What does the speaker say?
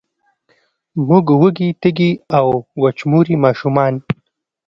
موږ وږې، تږې او، وچموري ماشومان